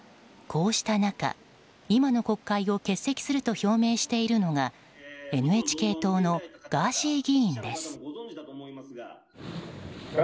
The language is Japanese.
こうした中、今の国会を欠席すると表明しているのはＮＨＫ党のガーシー議員です。